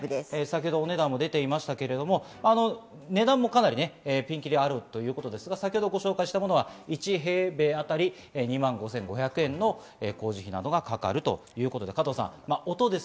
お値段も出ていましたが、値段もかなりピンキリあるということですが、先程ご紹介したものは１平米当たり２万５５００円の工事費などがかかるということです。